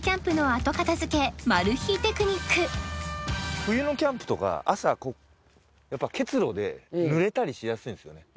冬のキャンプとか朝こうやっぱ結露で濡れたりしやすいんですよね。